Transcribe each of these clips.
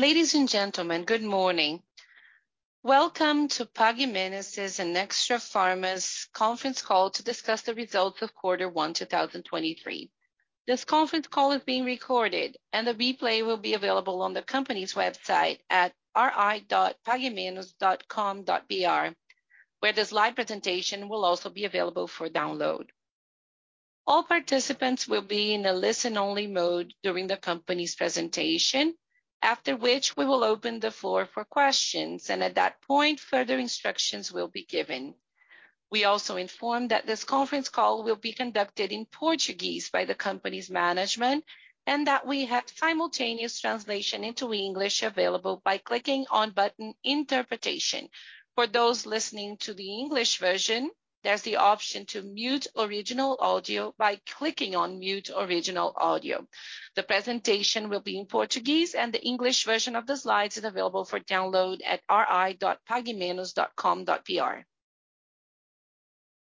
Ladies and gentlemen, good morning. Welcome to Pague Menos and Extrafarma's Conference Call to discuss the results of quarter one, 2023. This conference call is being recorded, and the replay will be available on the company's website at ri.paguemenos.com.br, where the slide presentation will also be available for download. All participants will be in a listen-only mode during the company's presentation, after which we will open the floor for questions. At that point, further instructions will be given. We also inform that this conference call will be conducted in Portuguese by the company's management, and that we have simultaneous translation into English available by clicking on button Interpretation. For those listening to the English version, there's the option to mute original audio by clicking on Mute Original Audio. The presentation will be in Portuguese, and the English version of the slides is available for download at ri.paguemenos.com.br.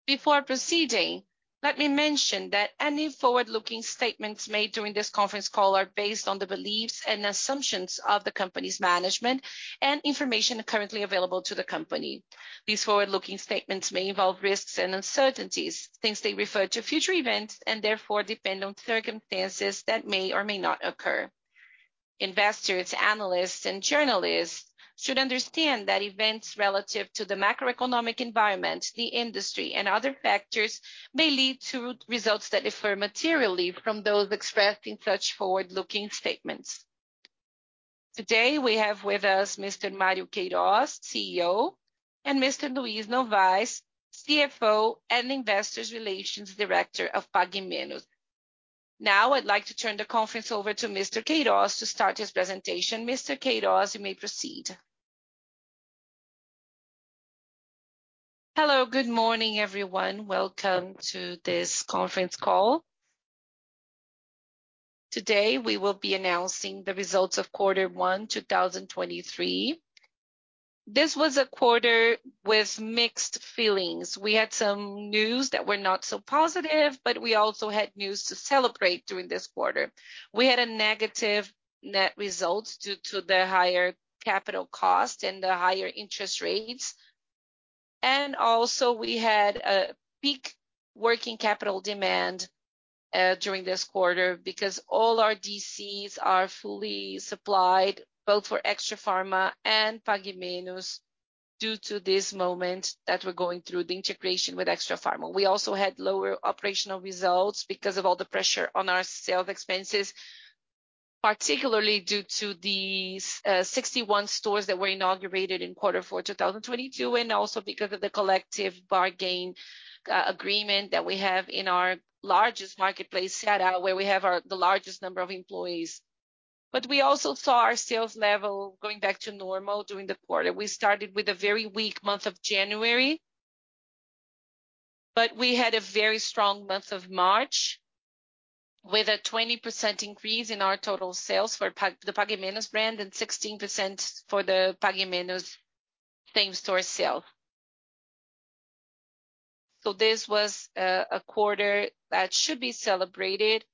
Before proceeding, let me mention that any forward-looking statements made during this conference call are based on the beliefs and assumptions of the company's management and information currently available to the company. These forward-looking statements may involve risks and uncertainties, since they refer to future events and therefore depend on circumstances that may or may not occur. Investors, analysts, and journalists should understand that events relative to the macroeconomic environment, the industry, and other factors may lead to results that differ materially from those expressed in such forward-looking statements. Today, we have with us Mr. Mário Queirós, CEO, and Mr. Luiz Novais, CFO and Investor Relations Director of Pague Menos. Now, I'd like to turn the conference over to Mr. Queirós to start his presentation. Mr. Queirós, you may proceed. Hello. Good morning, everyone. Welcome to this conference call. Today, we will be announcing the results of quarter one, 2023. This was a quarter with mixed feelings. We had some news that were not so positive, but we also had news to celebrate during this quarter. We had a negative net results due to the higher capital cost and the higher interest rates. Also, we had a peak working capital demand during this quarter because all our DCs are fully supplied, both for Extrafarma and Pague Menos due to this moment that we're going through, the integration with Extrafarma. We also had lower operational results because of all the pressure on our sales expenses, particularly due to these 61 stores that were inaugurated in Q4 2022, and also because of the collective bargain agreement that we have in our largest marketplace setup, where we have the largest number of employees. We also saw our sales level going back to normal during the quarter. We started with a very weak month of January, but we had a very strong month of March with a 20% increase in our total sales for the Pague Menos brand and 16% for the Pague Menos same-store sale. This was a quarter that should be celebrated.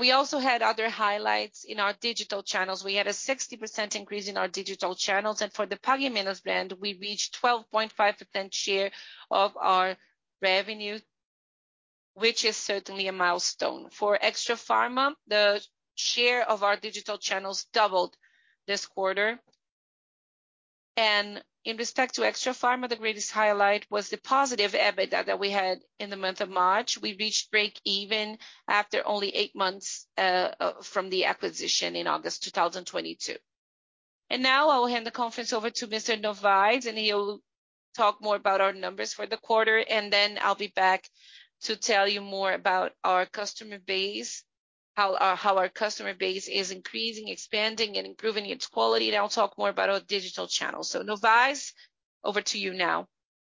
We also had other highlights in our digital channels. We had a 60% increase in our digital channels. For the Pague Menos brand, we reached 12.5% share of our revenue, which is certainly a milestone. For Extrafarma, the share of our digital channels doubled this quarter. In respect to Extrafarma, the greatest highlight was the positive EBITDA that we had in the month of March. We reached break even after only 8 months from the acquisition in August 2022. Now I will hand the conference over to Mr. Novais, and he will talk more about our numbers for the quarter, then I'll be back to tell you more about our customer base, how our customer base is increasing, expanding, and improving its quality, and I'll talk more about our digital channels. Novais, over to you now.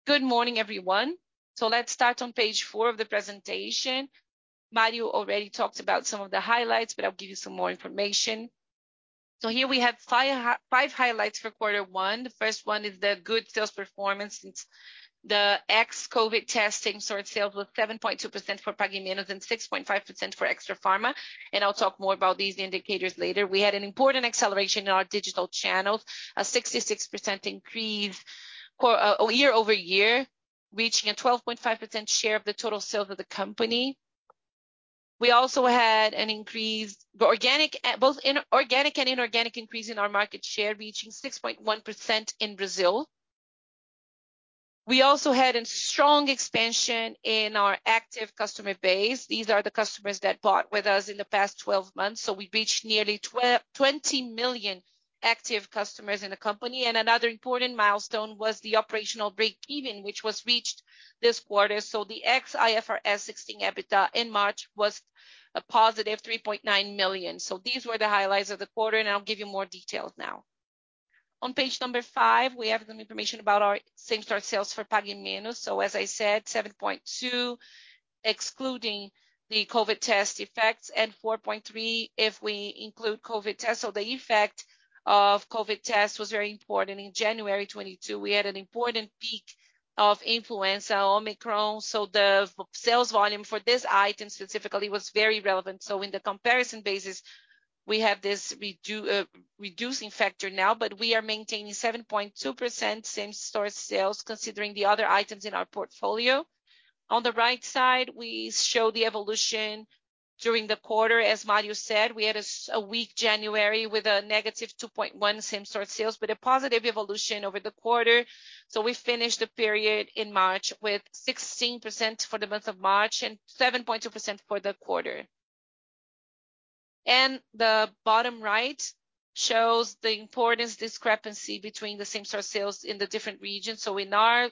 Good morning, everyone. Let's start on page 4 of the presentation. Mário already talked about some of the highlights, but I'll give you some more information. Here we have five highlights for Q1. The first one is the good sales performance since the ex-COVID testing store sales was 7.2% for Pague Menos and 6.5% for Extrafarma, and I'll talk more about these indicators later. We had an important acceleration in our digital channels, a 66% increase year-over-year, reaching a 12.5% share of the total sales of the company. We also had an increase, both in organic and inorganic increase in our market share, reaching 6.1% in Brazil. We also had a strong expansion in our active customer base. These are the customers that bought with us in the past 12 months, so we reached nearly 20 million active customers in the company. Another important milestone was the operational break-even, which was reached this quarter. The ex-IFRS 16 EBITDA in March was a positive 3.9 million. These were the highlights of the quarter, and I'll give you more details now. On page number 5, we have the information about our same-store sales for Pague Menos. As I said, 7.2%, excluding the COVID test effects and 4.3% if we include COVID test. The effect of COVID test was very important. In January 2022, we had an important peak-Of influenza Omicron, so the sales volume for this item specifically was very relevant. In the comparison basis, we have this reducing factor now, but we are maintaining 7.2% same-store sales considering the other items in our portfolio. On the right side, we show the evolution during the quarter. As Mário said, we had a weak January with a negative 2.1 same-store sales, but a positive evolution over the quarter. We finished the period in March with 16% for the month of March and 7.2% for the quarter. The bottom right shows the importance discrepancy between the same-store sales in the different regions. In our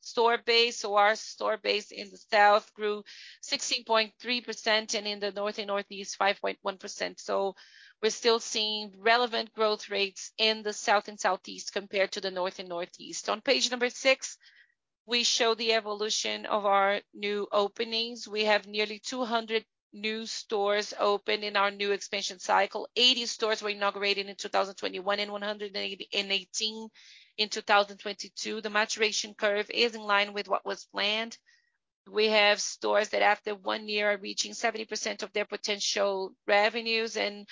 store base, so our store base in the South grew 16.3% and in the North and Northeast, 5.1%. We're still seeing relevant growth rates in the South and Southeast compared to the North and Northeast. On page number 6, we show the evolution of our new openings. We have nearly 200 new stores opened in our new expansion cycle. 80 stores were inaugurated in 2021 and 118 in 2022. The maturation curve is in line with what was planned. We have stores that after one year are reaching 70% of their potential revenues and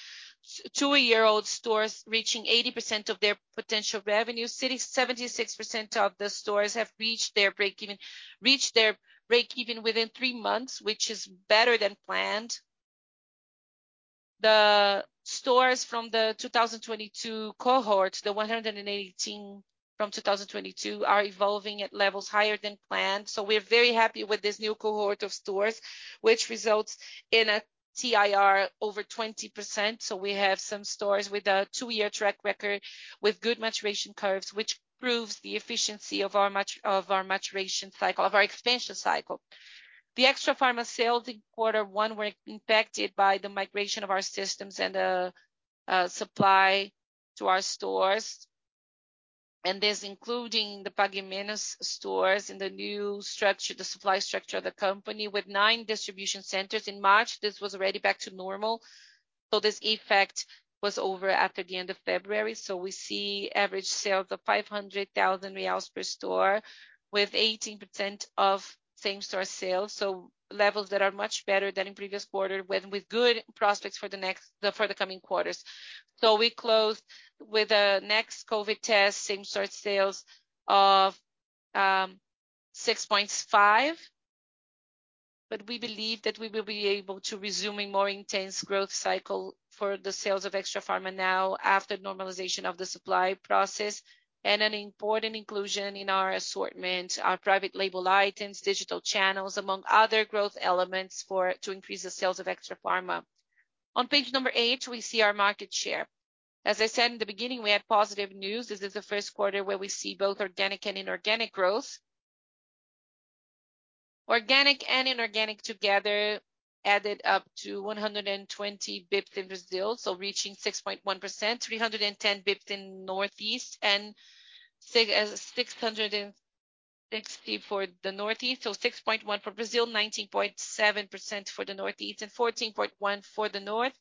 2-year-old stores reaching 80% of their potential revenue. City, 76% of the stores have reached their breakeven within three months, which is better than planned. The stores from the 2022 cohort, the 118 from 2022, are evolving at levels higher than planned. We're very happy with this new cohort of stores, which results in a TIR over 20%. We have some stores with a two-year track record with good maturation curves, which proves the efficiency of our maturation cycle, of our expansion cycle. The Extrafarma sales in quarter one were impacted by the migration of our systems and supply to our stores. This including the Pague Menos stores and the new structure, the supply structure of the company with nine distribution centers. In March, this was already back to normal. This effect was over after the end of February. We see average sales of 500,000 reais per store with 18% of same-store sales. Levels that are much better than in previous quarter with good prospects for the coming quarters. We close with the next COVID test, same-store sales of 6.5%. We believe that we will be able to resume a more intense growth cycle for the sales of Extrafarma now after normalization of the supply process and an important inclusion in our assortment, our private label items, digital channels, among other growth elements to increase the sales of Extrafarma. On page number 8, we see our market share. As I said in the beginning, we had positive news. This is the first quarter where we see both organic and inorganic growth. Organic and inorganic together added up to 120 bps in Brazil, reaching 6.1%, 310 bps in Northeast and 660 for the Northeast. 6.1 for Brazil, 19.7% for the Northeast and 14.1 for the North.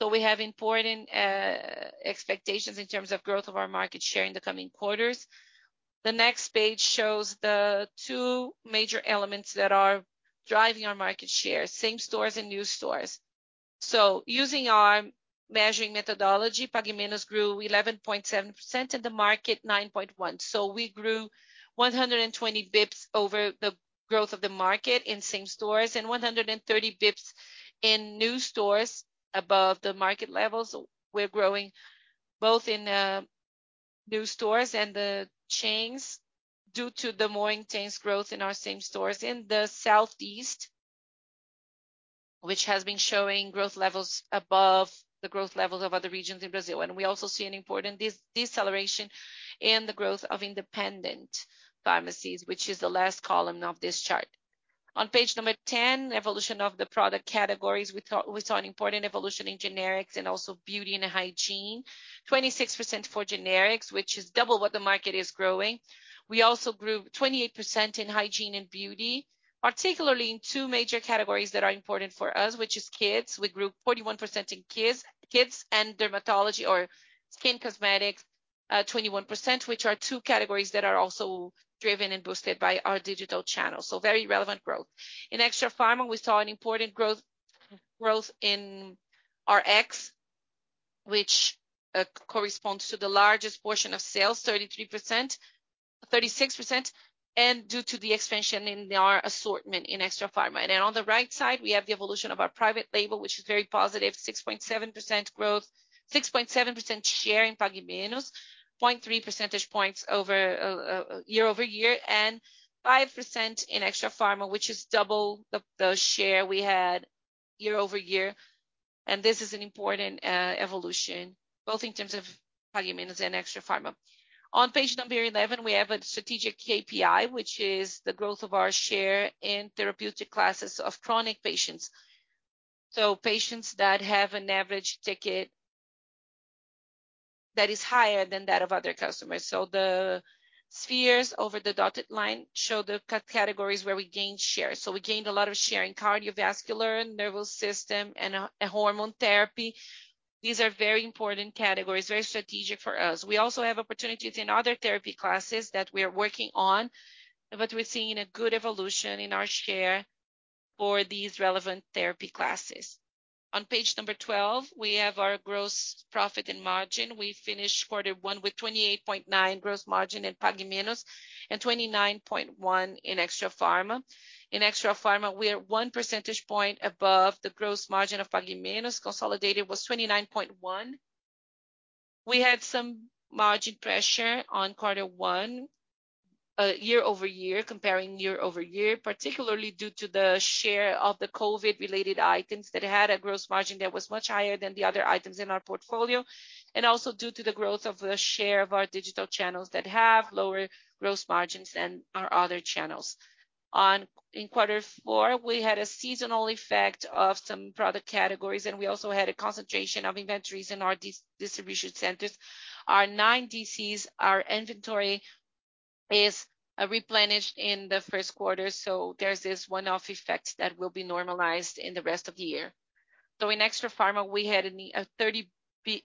We have important expectations in terms of growth of our market share in the coming quarters. The next page shows the two major elements that are driving our market share, same stores and new stores. Using our measuring methodology, Pague Menos grew 11.7% and the market 9.1%. We grew 120 bps over the growth of the market in same stores and 130 bps in new stores above the market levels. We're growing both in new stores and the chains due to the more intense growth in our same stores in the Southeast, which has been showing growth levels above the growth levels of other regions in Brazil. We also see an important deceleration in the growth of independent pharmacies, which is the last column of this chart. On page number 10, evolution of the product categories. We saw an important evolution in generics and also beauty and hygiene. 26% for generics, which is double what the market is growing. We also grew 28% in hygiene and beauty, particularly in two major categories that are important for us, which is kids. We grew 41% in kids, and dermatology or skin cosmetics, 21%, which are two categories that are also driven and boosted by our digital channels. Very relevant growth. In Extrafarma, we saw an important growth in Rx, which corresponds to the largest portion of sales, 33%, 36%, and due to the expansion in our assortment in Extrafarma. On the right side, we have the evolution of our private label, which is very positive, 6.7% growth, 6.7% share in Pague Menos, 0.3 percentage points over year-over-year, and 5% in Extrafarma, which is double the share we had year-over-year. This is an important evolution, both in terms of Pague Menos and Extrafarma. On page number 11, we have a strategic KPI, which is the growth of our share in therapeutic classes of chronic patients. Patients that have an average ticket that is higher than that of other customers. The spheres over the dotted line show the categories where we gained share. We gained a lot of share in cardiovascular, nervous system, and a hormone therapy. These are very important categories, very strategic for us. We also have opportunities in other therapy classes that we are working on, but we're seeing a good evolution in our share for these relevant therapy classes. On page number 12, we have our gross profit and margin. We finished Q1 with 28.9 gross margin in Pague Menos and 29.1 in Extrafarma. In Extrafarma, we are 1 percentage point above the gross margin of Pague Menos. Consolidated was 29.1. We had some margin pressure on Q1 year-over-year, particularly due to the share of the COVID related items that had a gross margin that was much higher than the other items in our portfolio. Also due to the growth of the share of our digital channels that have lower gross margins than our other channels. In quarter four, we had a seasonal effect of some product categories, and we also had a concentration of inventories in our distribution centers. Our 9 DCs, our inventory is replenished in the first quarter. There's this one-off effect that will be normalized in the rest of the year. In Extrafarma, we had a 30 basis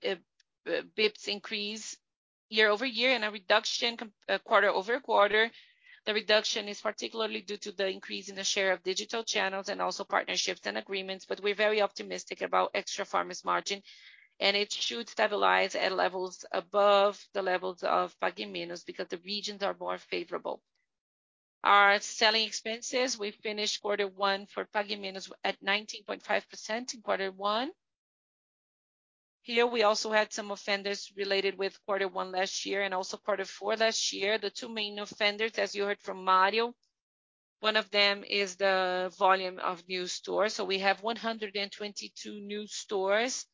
points increase year-over-year and a reduction quarter-over-quarter. The reduction is particularly due to the increase in the share of digital channels and also partnerships and agreements. We're very optimistic about Extrafarma's margin, and it should stabilize at levels above the levels of Pague Menos because the regions are more favorable. Our selling expenses, we finished quarter one for Pague Menos at 19.5% in quarter one. Here we also had some offenders related with quarter one last year and also quarter four last year. The two main offenders, as you heard from Mário, one of them is the volume of new stores. We have 122 new stores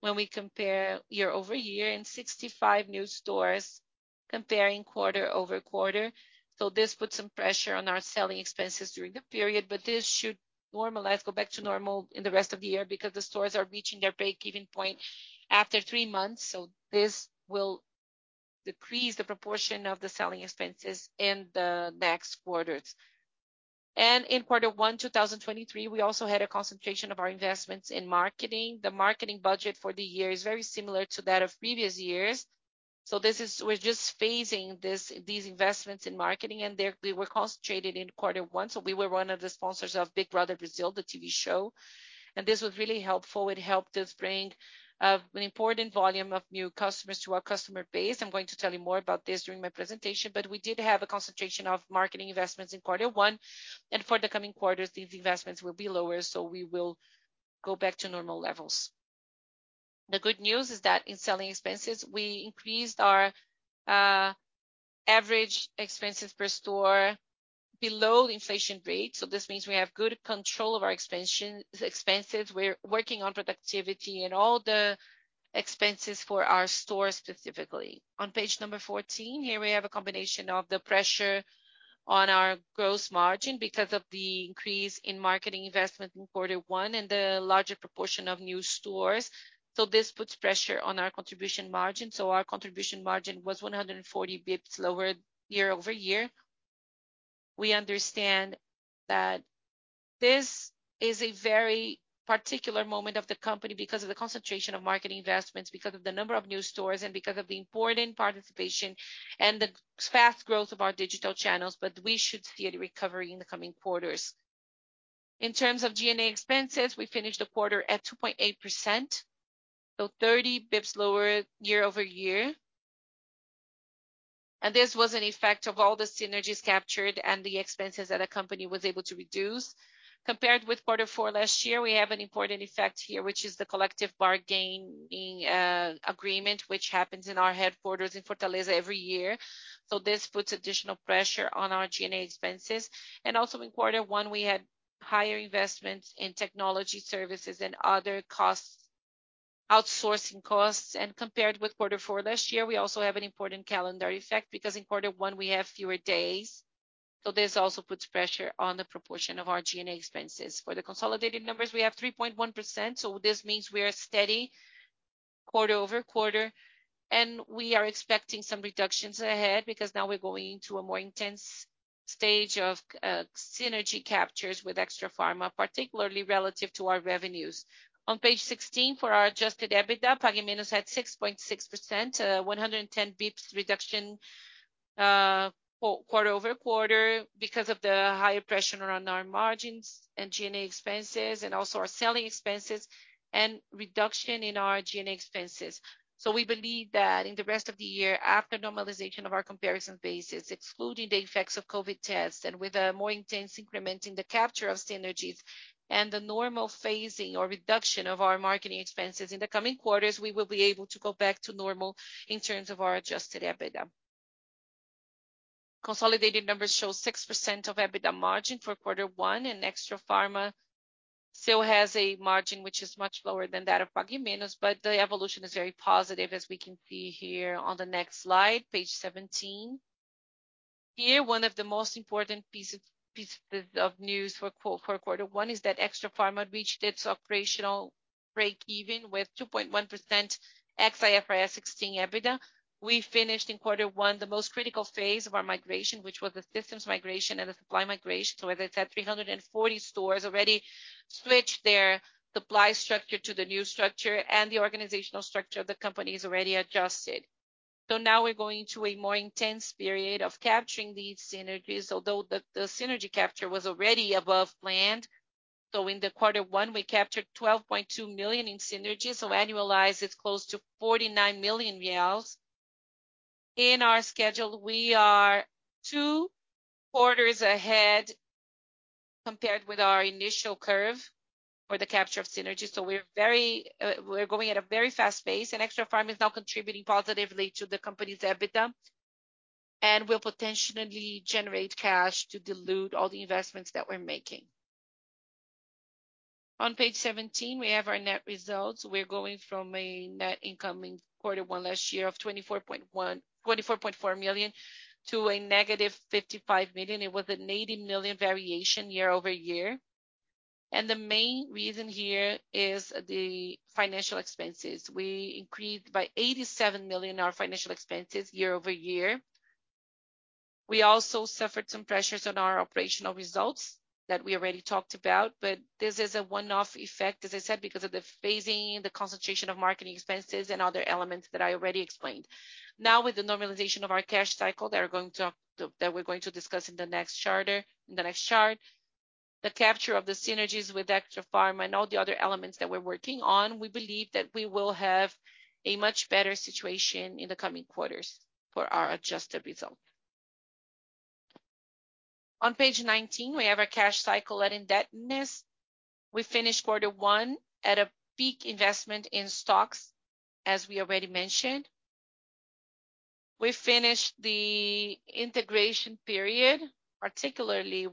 when we compare year-over-year and 65 new stores comparing quarter-over-quarter. This puts some pressure on our selling expenses during the period, but this should normalize, go back to normal in the rest of the year because the stores are reaching their break-even point after three months. This will decrease the proportion of the selling expenses in the next quarters. In quarter one, 2023, we also had a concentration of our investments in marketing. The marketing budget for the year is very similar to that of previous years. We're just phasing these investments in marketing, and they were concentrated in quarter one. We were one of the sponsors of Big Brother Brasil, the TV show, and this was really helpful. It helped us bring an important volume of new customers to our customer base. I'm going to tell you more about this during my presentation, but we did have a concentration of marketing investments in quarter one. For the coming quarters, these investments will be lower, so we will go back to normal levels. The good news is that in selling expenses, we increased our average expenses per store below the inflation rate. This means we have good control of our expenses. We're working on productivity and all the expenses for our stores specifically. On page number 14, here we have a combination of the pressure on our gross margin because of the increase in marketing investment in quarter one and the larger proportion of new stores. This puts pressure on our contribution margin. Our contribution margin was 140 basis points lower year-over-year. We understand that this is a very particular moment of the company because of the concentration of marketing investments, because of the number of new stores, and because of the important participation and the fast growth of our digital channels, but we should see a recovery in the coming quarters. In terms of G&A expenses, we finished the quarter at 2.8%, so 30 basis points lower year-over-year. This was an effect of all the synergies captured and the expenses that a company was able to reduce. Compared with Q4 last year, we have an important effect here, which is the collective bargaining agreement, which happens in our headquarters in Fortaleza every year. This puts additional pressure on our G&A expenses. Also in Q1, we had higher investments in technology services and other costs, outsourcing costs. Compared with Q4 last year, we also have an important calendar effect because in Q1 we have fewer days. This also puts pressure on the proportion of our G&A expenses. For the consolidated numbers, we have 3.1%, so this means we are steady quarter-over-quarter. We are expecting some reductions ahead because now we're going into a more intense stage of synergy captures with Extrafarma, particularly relative to our revenues. On page 16, for our adjusted EBITDA, Pague Menos had 6.6%, 110 basis points reduction, quarter-over-quarter because of the higher pressure on our margins and G&A expenses and also our selling expenses and reduction in our G&A expenses. We believe that in the rest of the year, after normalization of our comparison basis, excluding the effects of COVID tests and with a more intense increment in the capture of synergies and the normal phasing or reduction of our marketing expenses in the coming quarters, we will be able to go back to normal in terms of our adjusted EBITDA. Consolidated numbers show 6% of EBITDA margin for quarter one. Extrafarma still has a margin which is much lower than that of Pague Menos. The evolution is very positive, as we can see here on the next slide, page 17. Here, one of the most important pieces of news for quarter one is that Extrafarma reached its operational break even with 2.1% IFRS 16 EBITDA. We finished in quarter one the most critical phase of our migration, which was the systems migration and the supply migration. Whether it's at 340 stores already switched their supply structure to the new structure and the organizational structure of the company is already adjusted. Now we're going to a more intense period of capturing these synergies, although the synergy capture was already above planned. In the quarter one, we captured 12.2 million in synergies. Annualized, it's close to 49 million reais. In our schedule, we are two quarters ahead compared with our initial curve for the capture of synergies. We're very, we're going at a very fast pace. Extrafarma is now contributing positively to the company's EBITDA, and will potentially generate cash to dilute all the investments that we're making. On page 17, we have our net results. We're going from a net income in quarter one last year of 24.4 million to a negative 55 million. It was a 80 million variation year-over-year. The main reason here is the financial expenses. We increased by 87 million our financial expenses year-over-year. We also suffered some pressures on our operational results that we already talked about, but this is a one-off effect, as I said, because of the phasing, the concentration of marketing expenses and other elements that I already explained. Now, with the normalization of our cash cycle that we're going to discuss in the next chart, the capture of the synergies with Extrafarma and all the other elements that we're working on, we believe that we will have a much better situation in the coming quarters for our adjusted result. On page 19, we have our cash cycle and indebtedness. We finished quarter one at a peak investment in stocks, as we already mentioned. We finished the integration period, particularly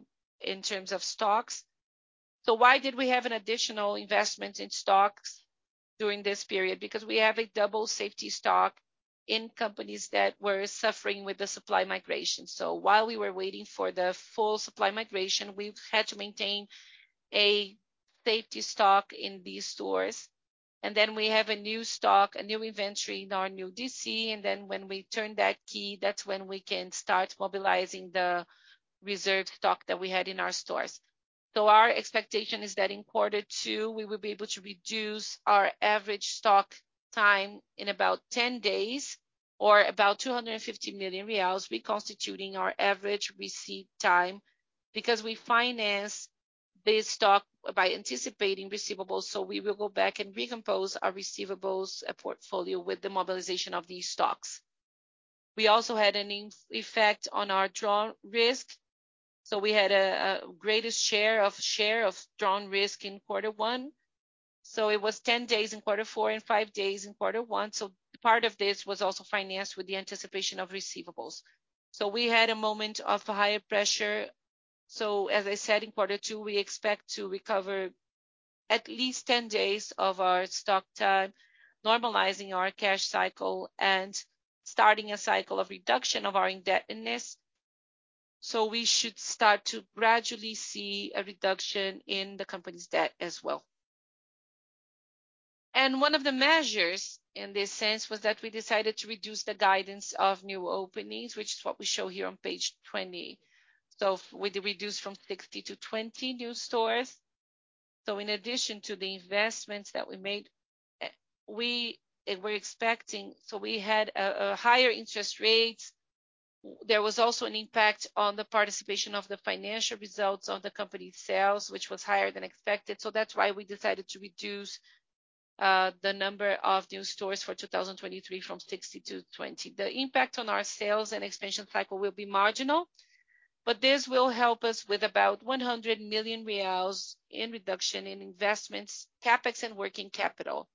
in terms of stocks. Why did we have an additional investment in stocks during this period? We have a double safety stock in companies that were suffering with the supply migration. While we were waiting for the full supply migration, we've had to maintain a safety stock in these stores. We have a new stock, a new inventory in our new DC. When we turn that key, that's when we can start mobilizing the reserved stock that we had in our stores. Our expectation is that in quarter two, we will be able to reduce our average stock time in about 10 days or about 250 million reais, reconstituting our average receive time because we finance this stock by anticipating receivables. We will go back and recompose our receivables portfolio with the mobilization of these stocks. We also had an effect on our drawdown risk. We had a greatest share of drawdown risk in quarter one. It was 10 days in quarter four and 5 days in quarter one. Part of this was also financed with the anticipation of receivables. We had a moment of higher pressure. As I said, in quarter two, we expect to recover at least 10 days of our stock time, normalizing our cash cycle and starting a cycle of reduction of our indebtedness. We should start to gradually see a reduction in the company's debt as well. One of the measures in this sense was that we decided to reduce the guidance of new openings, which is what we show here on page 20. With the reduce from 60 to 20 new stores. In addition to the investments that we made, we... We're expecting. We had a higher interest rates. There was also an impact on the participation of the financial results on the company's sales, which was higher than expected. That's why we decided to reduce the number of new stores for 2023 from 60 to 20. The impact on our sales and expansion cycle will be marginal, this will help us with about 100 million reais in reduction in investments, CapEx and working capital.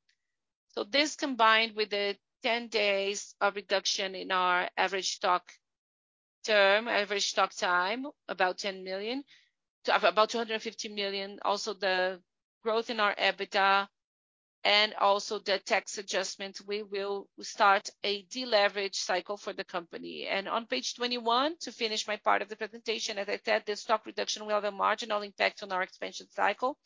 This, combined with the 10 days of reduction in our average stock term, average stock time, about 10 million, about 250 million, also the growth in our EBITDA and also the tax adjustment, we will start a deleverage cycle for the company. On page 21, to finish my part of the presentation, as I said, the stock reduction will have a marginal impact on our expansion cycle.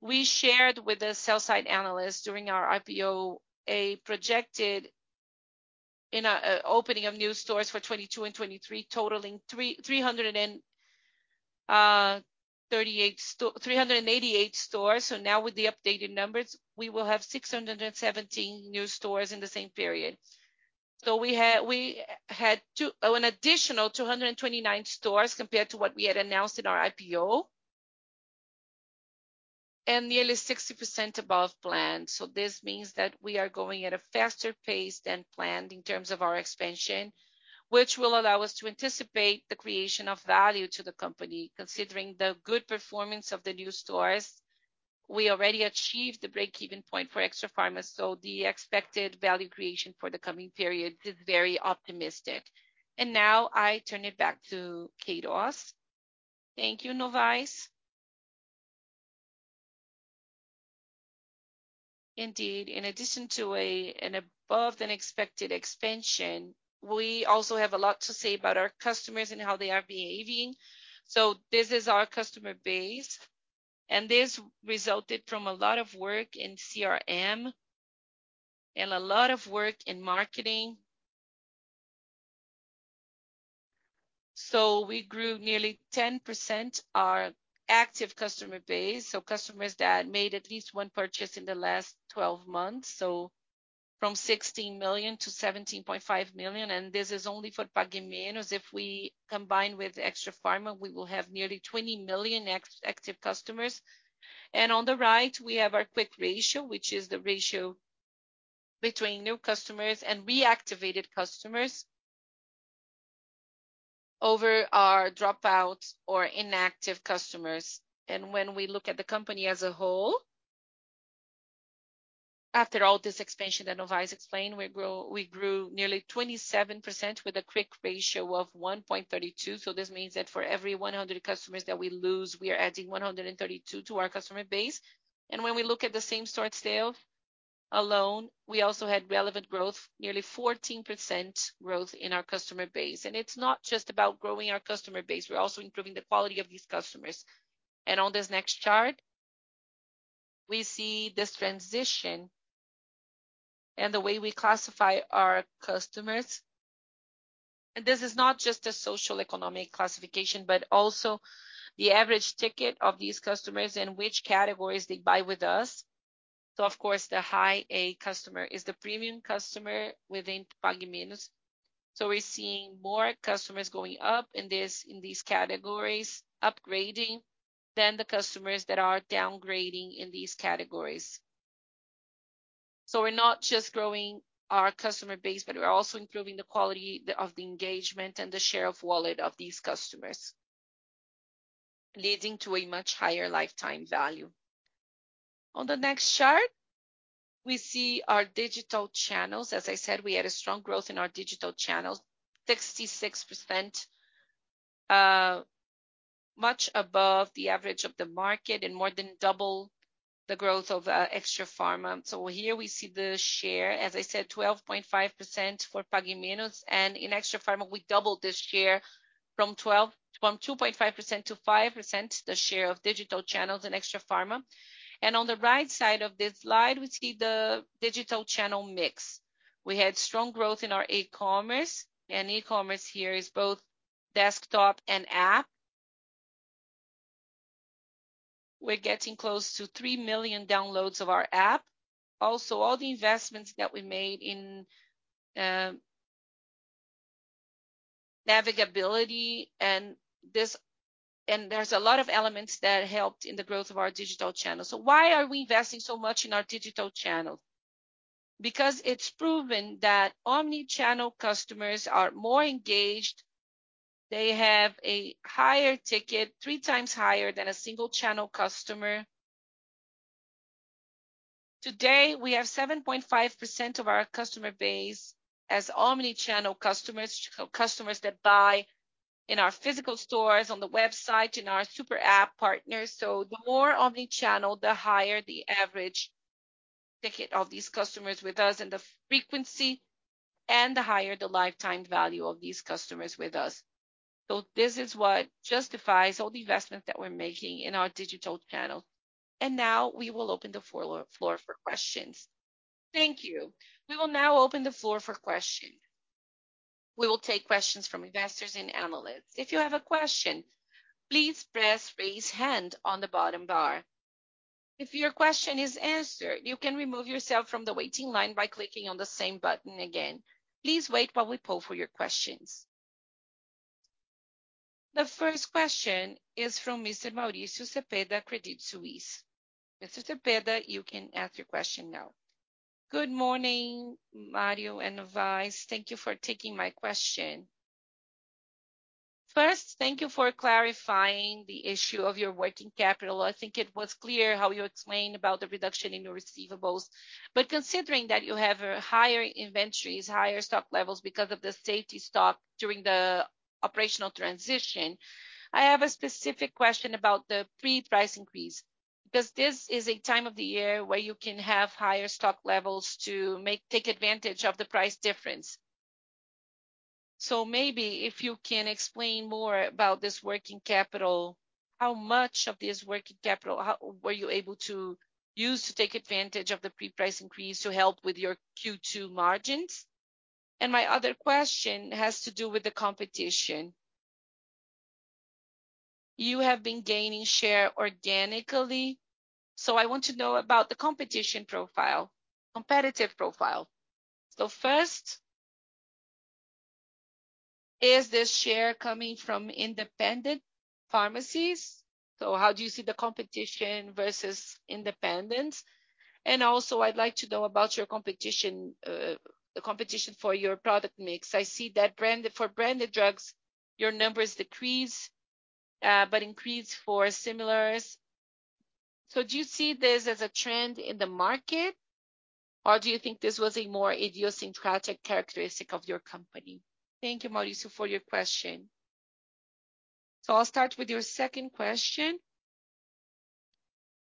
We shared with the sell-side analyst during our IPO a projected opening of new stores for 2022 and 2023, totaling 388 stores. Now with the updated numbers, we will have 617 new stores in the same period. We had an additional 229 stores compared to what we had announced in our IPO. Nearly 60% above plan. This means that we are going at a faster pace than planned in terms of our expansion, which will allow us to anticipate the creation of value to the company. Considering the good performance of the new stores, we already achieved the breakeven point for Extrafarma. The expected value creation for the coming period is very optimistic. I turn it back to Queirós. Thank you, Novais. Indeed, in addition to an above-than-expected expansion, we also have a lot to say about our customers and how they are behaving. This is our customer base. This resulted from a lot of work in CRM and a lot of work in marketing. We grew nearly 10% our active customer base, customers that made at least one purchase in the last 12 months. From 16 million-17.5 million, and this is only for Pague Menos. If we combine with Extrafarma, we will have nearly 20 million ex-active customers. On the right, we have our quick ratio, which is the ratio between new customers and reactivated customers over our dropouts or inactive customers. When we look at the company as a whole, after all this expansion that Novais explained, we grew nearly 27% with a quick ratio of 1.32. This means that for every 100 customers that we lose, we are adding 132 to our customer base. When we look at the same-store sale alone, we also had relevant growth, nearly 14% growth in our customer base. It's not just about growing our customer base, we're also improving the quality of these customers. On this next chart, we see this transition and the way we classify our customers. This is not just a socioeconomic classification, but also the average ticket of these customers and which categories they buy with us. Of course, the high A customer is the premium customer within Pague Menos. We're seeing more customers going up in these categories, upgrading, than the customers that are downgrading in these categories. We're not just growing our customer base, but we're also improving the quality of the engagement and the share of wallet of these customers, leading to a much higher lifetime value. On the next chart, we see our digital channels. As I said, we had a strong growth in our digital channels, 66%, much above the average of the market and more than double the growth of Extrafarma. Here we see the share. As I said, 12.5% for Pague Menos. In Extrafarma, we doubled this year from 2.5%-5% the share of digital channels in Extrafarma. On the right side of this slide, we see the digital channel mix. We had strong growth in our e-commerce. E-commerce here is both desktop and app. We're getting close to 3 million downloads of our app. Also, all the investments that we made in navigability, there's a lot of elements that helped in the growth of our digital channel. Why are we investing so much in our digital channel? Because it's proven that omnichannel customers are more engaged. They have a higher ticket, 3x higher than a single channel customer. Today, we have 7.5% of our customer base as omnichannel customers that buy in our physical stores, on the website, in our super app partners. The more omnichannel, the higher the average ticket of these customers with us and the frequency and the higher the lifetime value of these customers with us. This is what justifies all the investment that we're making in our digital channel. Now we will open the floor for questions. Thank you. We will now open the floor for question. We will take questions from investors and analysts. If you have a question, please press raise hand on the bottom bar. If your question is answered, you can remove yourself from the waiting line by clicking on the same button again. Please wait while we poll for your questions. The first question is from Mr. Mauricio Cepeda, Credit Suisse. Mr. Cepeda, you can ask your question now. Good morning, Mario and Novais. Thank you for taking my question. First, thank you for clarifying the issue of your working capital. I think it was clear how you explained about the reduction in your receivables. Considering that you have a higher inventories, higher stock levels because of the safety stock during the operational transition, I have a specific question about the pre-price increase, because this is a time of the year where you can have higher stock levels to take advantage of the price difference. Maybe if you can explain more about this working capital, how much of this working capital, how were you able to use to take advantage of the pre-price increase to help with your Q2 margins? My other question has to do with the competition. You have been gaining share organically. I want to know about the competitive profile. First, is this share coming from independent pharmacies? How do you see the competition versus independence? Also I'd like to know about your competition, the competition for your product mix. I see that for branded drugs, your numbers decrease, but increase for similars. Do you see this as a trend in the market, or do you think this was a more idiosyncratic characteristic of your company? Thank you, Mauricio, for your question. I'll start with your second question.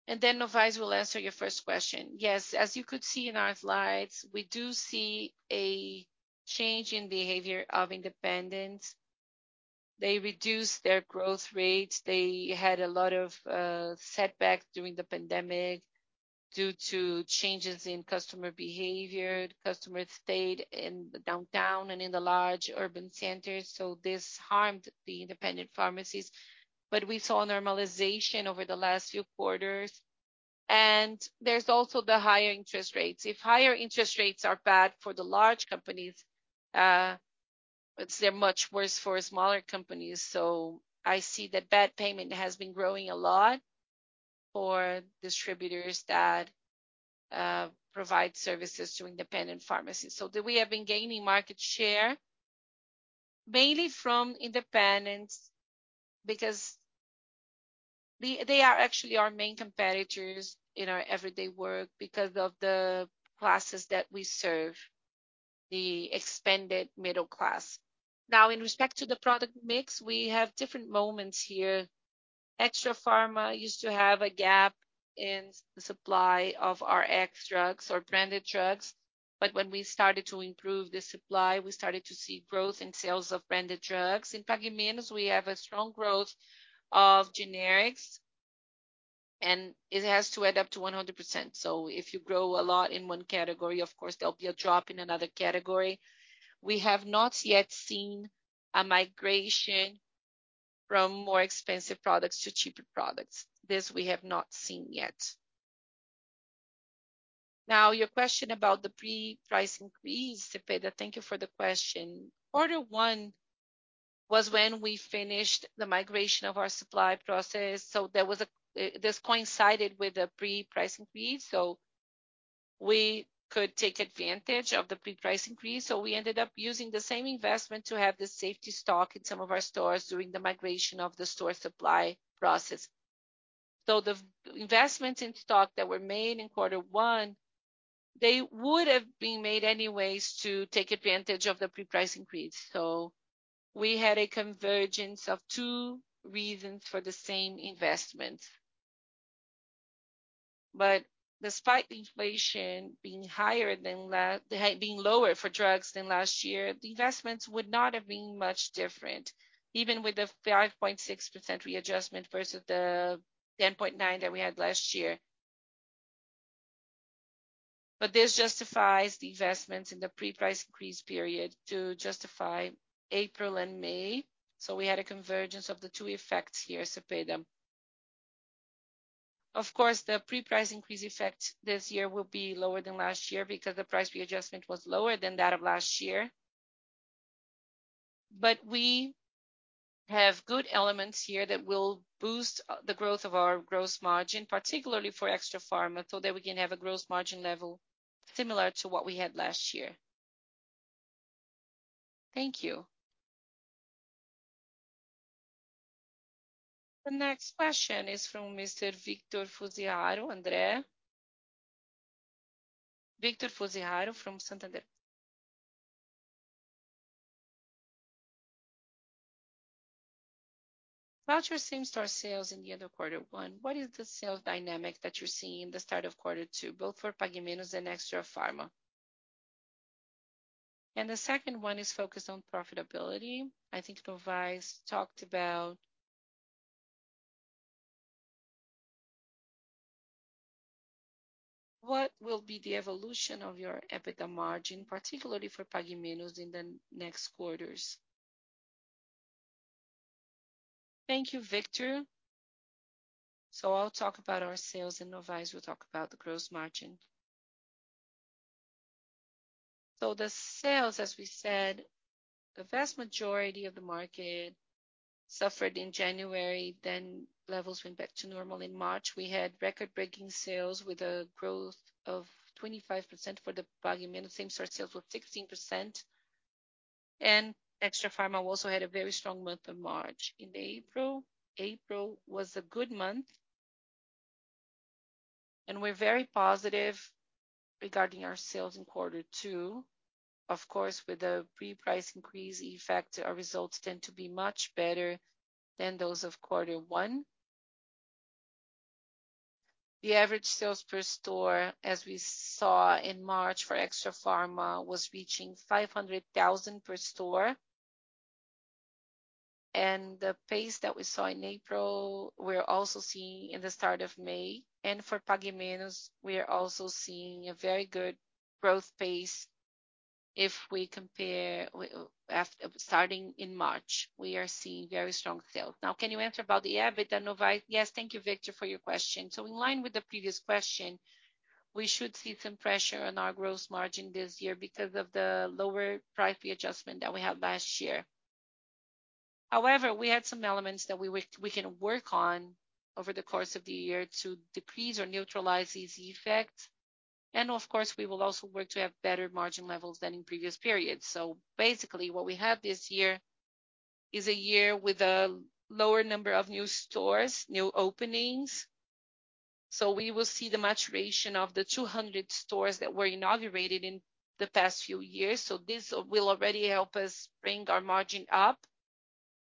Then Novais will answer your first question. Yes, as you could see in our slides, we do see a change in behavior of independents. They reduced their growth rates. They had a lot of setbacks during the pandemic due to changes in customer behavior. The customers stayed in downtown and in the large urban centers, this harmed the independent pharmacies. We saw normalization over the last few quarters. There's also the higher interest rates. If higher interest rates are bad for the large companies, they're much worse for smaller companies. I see that bad payment has been growing a lot for distributors that provide services to independent pharmacies. We have been gaining market share mainly from independents because they are actually our main competitors in our everyday work because of the classes that we serve, the expanded middle class. Now, in respect to the product mix, we have different moments here. Extrafarma used to have a gap in the supply of Rx drugs or branded drugs, when we started to improve the supply, we started to see growth in sales of branded drugs. In Pague Menos, we have a strong growth of generics. It has to add up to 100%, if you grow a lot in one category, of course, there'll be a drop in another category. We have not yet seen a migration from more expensive products to cheaper products. This we have not seen yet. Your question about the pre-price increase, Cepeda, thank you for the question. Quarter one was when we finished the migration of our supply process. This coincided with the pre-price increase, we could take advantage of the pre-price increase. We ended up using the same investment to have the safety stock in some of our stores during the migration of the store supply process. The investments in stock that were made in quarter one, they would have been made anyways to take advantage of the pre-price increase. We had a convergence of two reasons for the same investment. Despite inflation being lower for drugs than last year, the investments would not have been much different, even with the 5.6% readjustment versus the 10.9% that we had last year. This justifies the investments in the pre-price increase period to justify April and May. We had a convergence of the two effects here, Cepeda. Of course, the pre-price increase effect this year will be lower than last year because the price readjustment was lower than that of last year. We have good elements here that will boost the growth of our gross margin, particularly for Extrafarma, so that we can have a gross margin level similar to what we had last year. Thank you. The next question is from Mr. Vitor Fuziharo. Andrea. Victor Fuziharo from Santander. About your same-store sales in the end of quarter one, what is the sales dynamic that you're seeing in the start of quarter two, both for Pague Menos and Extrafarma? The second one is focused on profitability. I think Novais talked about what will be the evolution of your EBITDA margin, particularly for Pague Menos in the next quarters? Thank you, Victor. I'll talk about our sales, and Novais will talk about the gross margin. The sales, as we said, the vast majority of the market suffered in January, then levels went back to normal in March. We had record-breaking sales with a growth of 25% for the Pague Menos. Same-store sales were 16%. Extrafarma also had a very strong month of March. In April was a good month. We're very positive regarding our sales in quarter 2. Of course, with the pre-price increase effect, our results tend to be much better than those of quarter 1. The average sales per store, as we saw in March for Extrafarma, was reaching 500,000 per store. The pace that we saw in April, we're also seeing in the start of May. For Pague Menos, we are also seeing a very good growth pace if we compare. Starting in March, we are seeing very strong sales. Now, can you answer about the EBITDA, Novais? Yes. Thank you, Victor, for your question. In line with the previous question, we should see some pressure on our gross margin this year because of the lower price readjustment that we had last year. However, we had some elements that we can work on over the course of the year to decrease or neutralize this effect. Of course, we will also work to have better margin levels than in previous periods. Basically, what we have this year is a year with a lower number of new stores, new openings, so we will see the maturation of the 200 stores that were inaugurated in the past few years. This will already help us bring our margin up.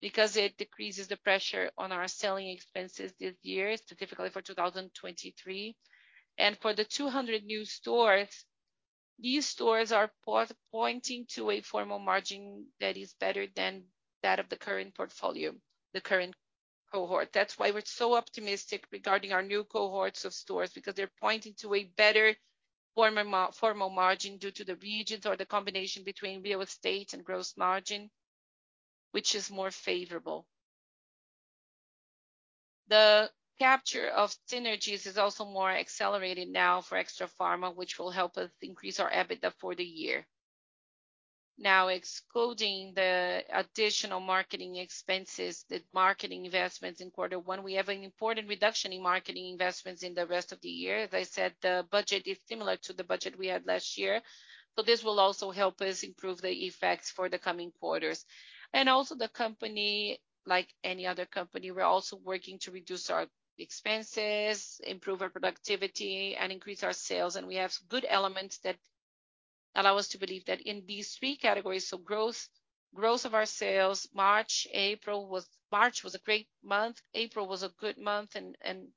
Because it decreases the pressure on our selling expenses this year, specifically for 2023. For the 200 new stores, these stores are pointing to a formal margin that is better than that of the current portfolio, the current cohort. That's why we're so optimistic regarding our new cohorts of stores, because they're pointing to a better formal margin due to the regions or the combination between real estate and gross margin, which is more favorable. The capture of synergies is also more accelerated now for Extrafarma, which will help us increase our EBITDA for the year. Excluding the additional marketing expenses, the marketing investments in Q1, we have an important reduction in marketing investments in the rest of the year. As I said, the budget is similar to the budget we had last year, so this will also help us improve the effects for the coming quarters. Also the company, like any other company, we're also working to reduce our expenses, improve our productivity, and increase our sales. We have good elements that allow us to believe that in these three categories, so growth of our sales, March was a great month, April was a good month, and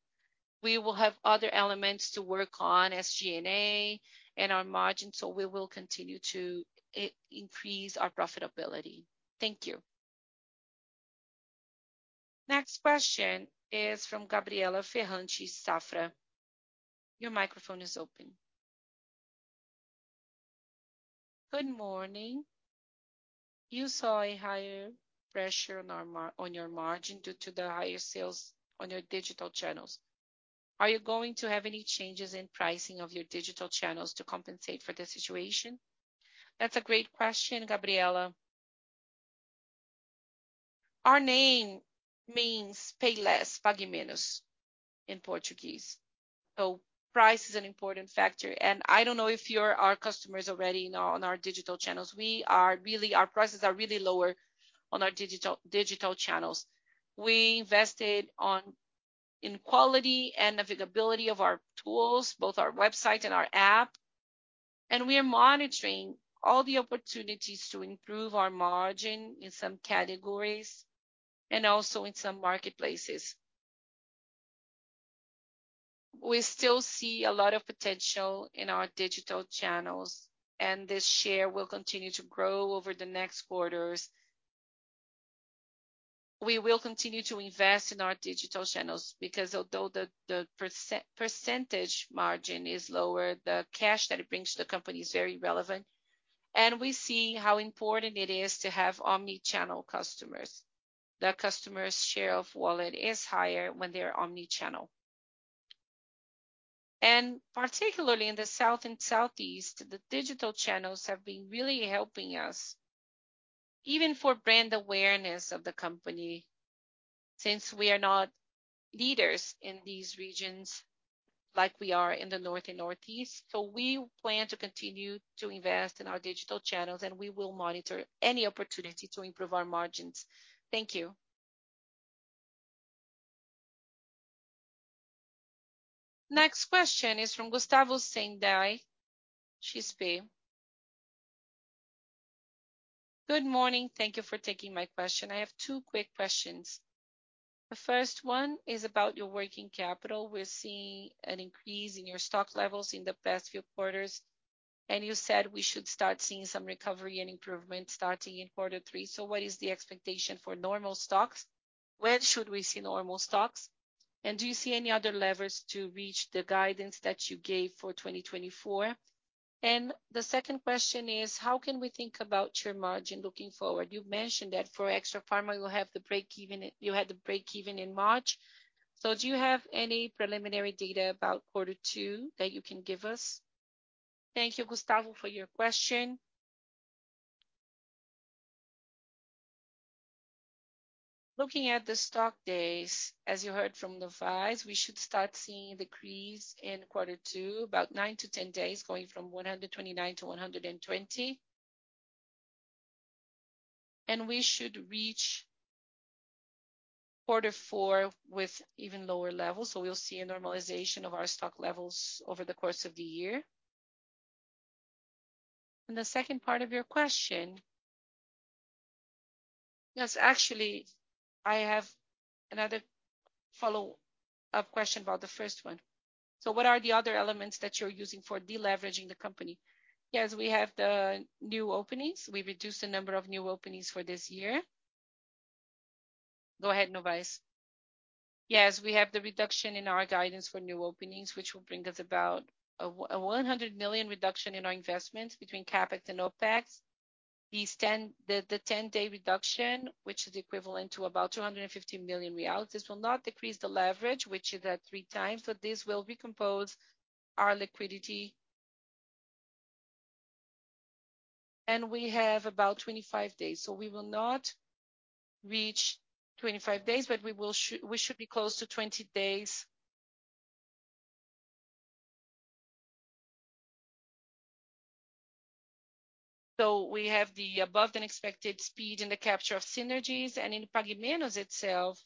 we will have other elements to work on, SG&A and our margin, so we will continue to increase our profitability. Thank you. Next question is from Gabriela Ferrante, Safra. Your microphone is open. Good morning. You saw a higher pressure on your margin due to the higher sales on your digital channels. Are you going to have any changes in pricing of your digital channels to compensate for the situation? That's a great question, Gabriela. Our name means pay less, Pague Menos in Portuguese, so price is an important factor. I don't know if you're our customers already on our digital channels. Our prices are really lower on our digital channels. We invested in quality and availability of our tools, both our website and our app, and we are monitoring all the opportunities to improve our margin in some categories and also in some marketplaces. We still see a lot of potential in our digital channels, and this share will continue to grow over the next quarters. We will continue to invest in our digital channels because although the percentage margin is lower, the cash that it brings to the company is very relevant, and we see how important it is to have omnichannel customers. The customers' share of wallet is higher when they're omnichannel. Particularly in the South and Southeast, the digital channels have been really helping us, even for brand awareness of the company, since we are not leaders in these regions like we are in the North and Northeast. We plan to continue to invest in our digital channels, and we will monitor any opportunity to improve our margins. Thank you. Next question is from Gustavo Senday, XP. Good morning. Thank you for taking my question. I have two quick questions. The first one is about your working capital. We're seeing an increase in your stock levels in the past few quarters, and you said we should start seeing some recovery and improvement starting in quarter three. What is the expectation for normal stocks? When should we see normal stocks? Do you see any other levers to reach the guidance that you gave for 2024? The second question is: how can we think about your margin looking forward? You mentioned that for Extrafarma, you had the breakeven in March. Do you have any preliminary data about quarter two that you can give us? Thank you, Gustavo, for your question. Looking at the stock days, as you heard from Novais, we should start seeing decrease in quarter two, about 9-10 days, going from 129 to 120. We should reach quarter four with even lower levels. We'll see a normalization of our stock levels over the course of the year. The second part of your question... Yes, actually, I have another follow-up question about the first one. Yes, we have the new openings. We reduced the number of new openings for this year. Go ahead, Novais. Yes, we have the reduction in our guidance for new openings, which will bring us about a 100 million reduction in our investments between CapEx and OpEx. The 10-day reduction, which is equivalent to about 250 million reais. This will not decrease the leverage, which is at 3x, but this will recompose our liquidity. We have about 25 days. We will not reach 25 days, but we should be close to 20 days. We have the above-than-expected speed in the capture of synergies. In Pague Menos itself.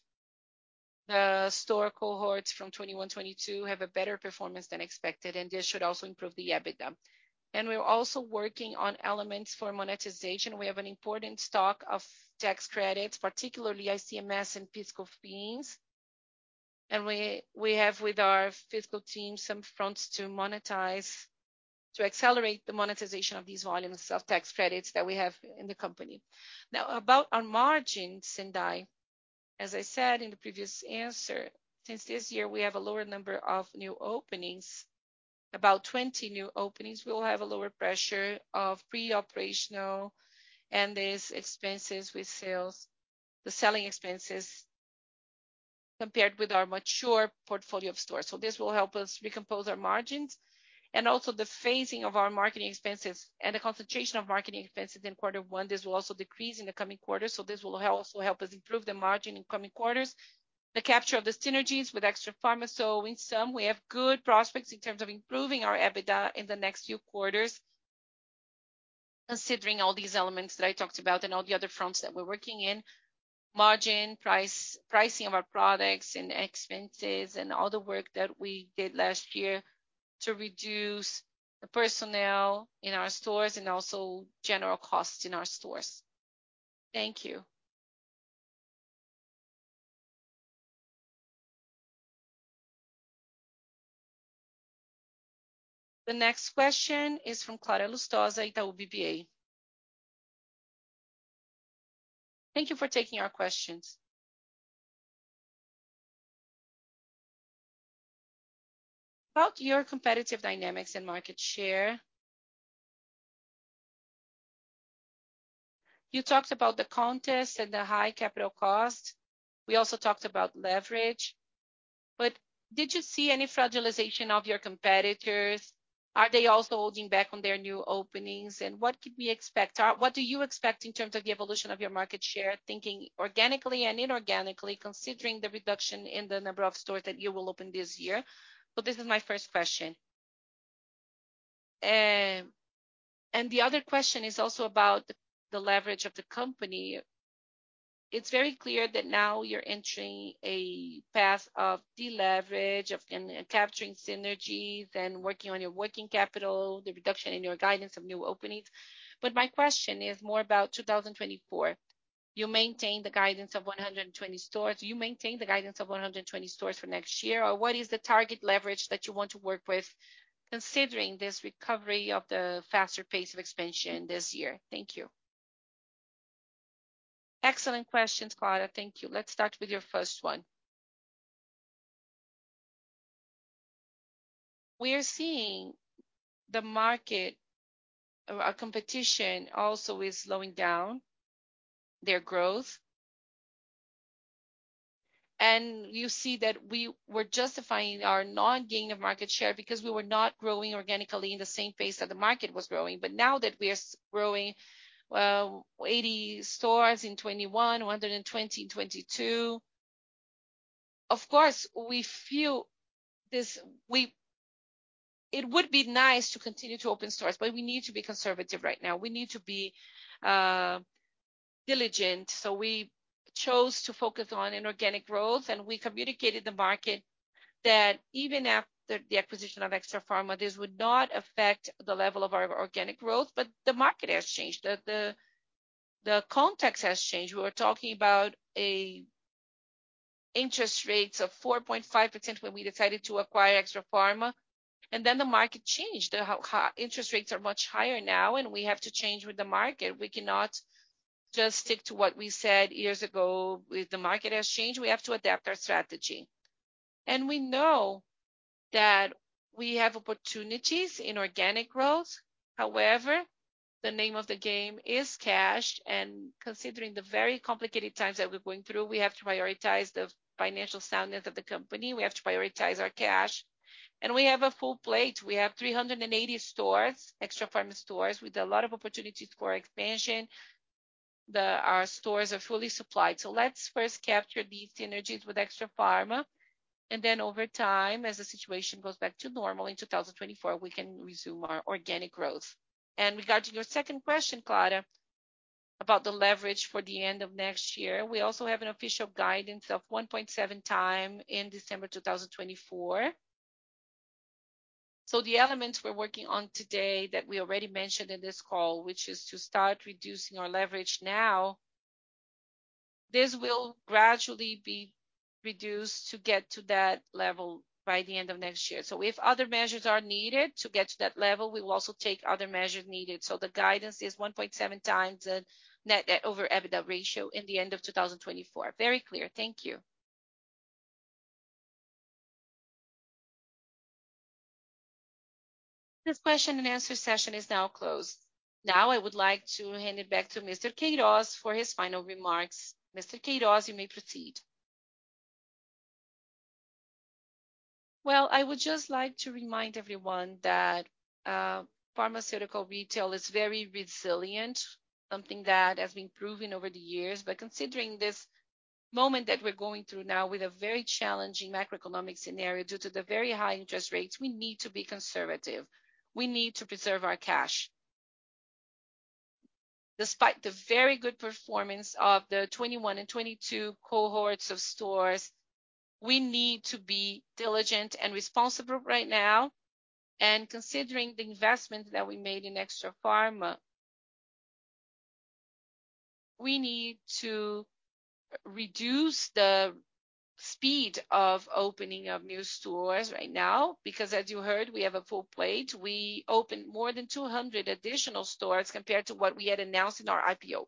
The store cohorts from 2021, 2022 have a better performance than expected, and this should also improve the EBITDA. We're also working on elements for monetization. We have an important stock of tax credits, particularly ICMS and fiscal fees. We have with our fiscal team some fronts to accelerate the monetization of these volumes of tax credits that we have in the company. About our margins, Senday, as I said in the previous answer, since this year we have a lower number of new openings, about 20 new openings, we will have a lower pressure of pre-operational and these expenses with sales, the selling expenses compared with our mature portfolio of stores. This will help us recompose our margins. Also the phasing of our marketing expenses and the concentration of marketing expenses in quarter one, this will also decrease in the coming quarters, so this will also help us improve the margin in coming quarters. The capture of the synergies with Extrafarma. In sum, we have good prospects in terms of improving our EBITDA in the next few quarters considering all these elements that I talked about and all the other fronts that we're working in, margin, price, pricing of our products and expenses, and all the work that we did last year to reduce the personnel in our stores and also general costs in our stores. Thank you. The next question is from Clara Lustosa, Itaú BBA. Thank you for taking our questions. About your competitive dynamics and market share, you talked about the context and the high capital cost. We also talked about leverage. Did you see any fragilization of your competitors? Are they also holding back on their new openings? What could we expect or what do you expect in terms of the evolution of your market share, thinking organically and inorganically, considering the reduction in the number of stores that you will open this year? This is my first question. The other question is also about the leverage of the company. It's very clear that now you're entering a path of deleverage, capturing synergies and working on your working capital, the reduction in your guidance of new openings. My question is more about 2024. You maintain the guidance of 120 stores. Do you maintain the guidance of 120 stores for next year, or what is the target leverage that you want to work with considering this recovery of the faster pace of expansion this year? Thank you. Excellent questions, Clara. Thank you. Let's start with your first one. We are seeing the market or our competition also is slowing down their growth. You see that we were justifying our non-gaining of market share because we were not growing organically in the same pace that the market was growing. Now that we are growing 80 stores in 2021, 120 in 2022, of course, we feel this. It would be nice to continue to open stores, but we need to be conservative right now. We need to be diligent. We chose to focus on inorganic growth, and we communicated the market that even after the acquisition of Extrafarma, this would not affect the level of our organic growth. The market has changed. The context has changed. We were talking about a interest rates of 4.5% when we decided to acquire Extrafarma. The market changed. Interest rates are much higher now, and we have to change with the market. We cannot just stick to what we said years ago. The market has changed, we have to adapt our strategy. We know that we have opportunities in organic growth. However, the name of the game is cash, and considering the very complicated times that we're going through, we have to prioritize the financial soundness of the company. We have to prioritize our cash. We have a full plate. We have 380 stores, Extrafarma stores, with a lot of opportunities for expansion. Our stores are fully supplied. Let's first capture these synergies with Extrafarma, and then over time, as the situation goes back to normal in 2024, we can resume our organic growth. Regarding your second question, Clara, about the leverage for the end of next year, we also have an official guidance of 1.7x in December 2024. The elements we're working on today that we already mentioned in this call, which is to start reducing our leverage now, this will gradually be reduced to get to that level by the end of next year. If other measures are needed to get to that level, we will also take other measures needed. The guidance is 1.7x the Net Debt/EBITDA ratio in the end of 2024. Very clear. Thank you. This question and answer session is now closed. I would like to hand it back to Mr. Queirós for his final remarks. Mr. Queirós, you may proceed. Well, I would just like to remind everyone that pharmaceutical retail is very resilient, something that has been proven over the years. Considering this moment that we're going through now with a very challenging macroeconomic scenario due to the very high interest rates, we need to be conservative. We need to preserve our cash. Despite the very good performance of the '21 and '22 cohorts of stores, we need to be diligent and responsible right now. Considering the investment that we made in Extrafarma, we need to reduce the speed of opening of new stores right now, because as you heard, we have a full plate. We opened more than 200 additional stores compared to what we had announced in our IPO.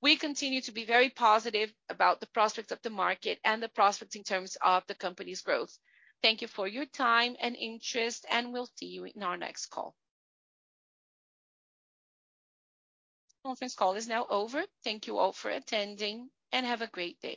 We continue to be very positive about the prospects of the market and the prospects in terms of the company's growth. Thank you for your time and interest. We'll see you in our next call. Conference call is now over. Thank you all for attending. Have a great day.